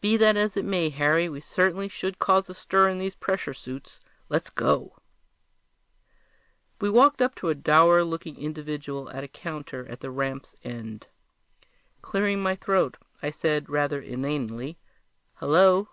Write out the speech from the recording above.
"Be that as it may, Harry, we certainly should cause a stir in these pressure suits. Let's go!" We walked up to a dour looking individual at a counter at the ramp's end. Clearing my throat, I said rather inanely, "Hello!"